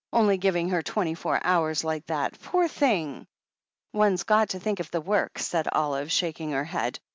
"Only giving her twenty four hours like that, poor thing." "One's got to think of the work," said Olive, shak ing her head.